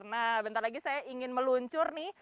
nah bentar lagi saya ingin meluncur nih